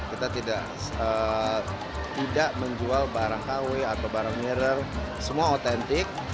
kita tidak menjual barang kw atau barang mirror semua otentik